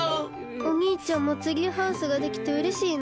おにいちゃんもツリーハウスができてうれしいの？